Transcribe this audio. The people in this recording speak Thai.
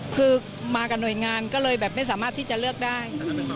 คือมากับหน่วยงานก็เลยแบบไม่สามารถที่จะเลือกได้